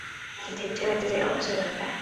Igihe cyarageze abo basore barataha